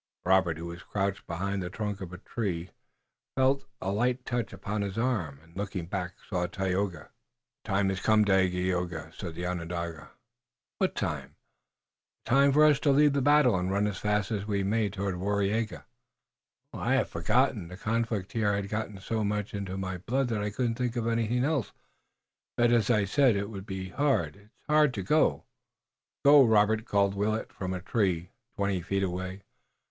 Robert, who was crouched behind the trunk of a great oak, felt a light touch upon his arm, and, looking back, saw Tayoga. "The time has come, Dagaeoga," said the Onondaga. "What time?" "The time for us to leave the battle and run as fast as we may to Waraiyageh." "I had forgotten. The conflict here had gotten so much into my blood that I couldn't think of anything else. But, as I said it would be, it's hard to go." "Go, Robert!" called Willet from a tree twenty feet away.